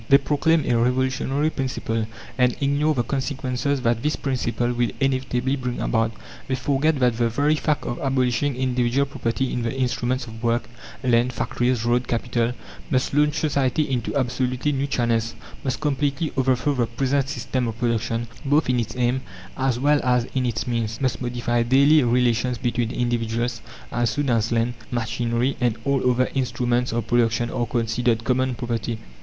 They proclaim a revolutionary principle, and ignore the consequences that this principle will inevitably bring about. They forget that the very fact of abolishing individual property in the instruments of work land, factories, road, capital must launch society into absolutely new channels; must completely overthrow the present system of production, both in its aim as well as in its means; must modify daily relations between individuals, as soon as land, machinery, and all other instruments of production are considered common property.